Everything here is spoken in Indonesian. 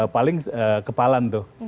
paling kepalan tuh